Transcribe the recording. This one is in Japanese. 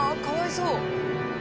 かわいそう。